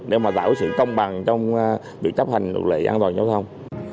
để mà tạo sự công bằng trong việc chấp hành luật lệ an toàn giao thông